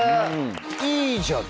いいじゃん！